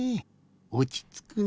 おちつくね。